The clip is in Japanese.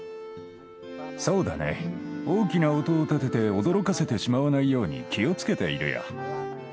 そうだね大きな音を立てて驚かせてしまわないように気をつけているよ。